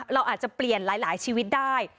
เราอาจจะเปลี่ยนหลายชีวิตได้